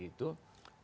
kita seperti tadi itu